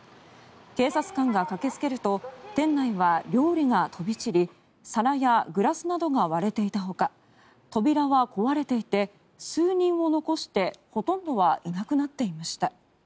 警察官が駆けつけると店内は料理が飛び散り皿やグラスなどが割れていたほか扉は壊れていて数人を残してほとんどはいなくなっていました。